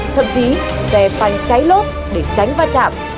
thậm chí xe phanh cháy lốt để tránh va chạm